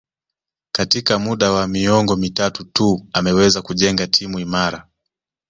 Katika muda wa miongo mitatu tu ameweza kujenga timu imara